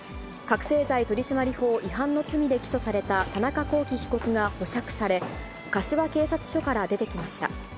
覚醒剤取締法違反の罪で起訴された田中聖被告が保釈され、柏警察署から出てきました。